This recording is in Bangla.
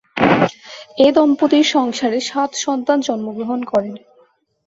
এ দম্পতির সংসারে সাত সন্তান জন্মগ্রহণ করে।